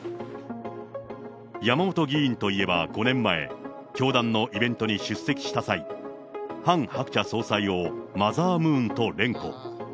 山本議員といえば５年前、教団のイベントに出席した際、ハン・ハクチャ総裁をマザームーンと連呼。